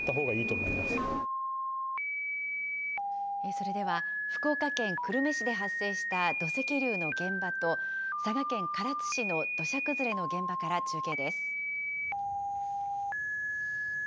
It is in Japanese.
それでは、福岡県久留米市で発生した土石流の現場と、佐賀県唐津市の土砂崩れの現場から中継です。